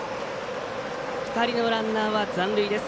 ２人のランナーは残塁です。